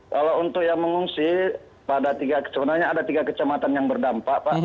kalau untuk yang mengungsi sebenarnya ada tiga kecamatan yang berdampak pak